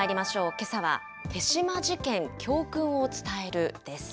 けさは豊島事件、教訓を伝えるです。